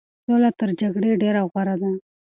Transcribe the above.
سوله تر جګړې ډېره غوره ده.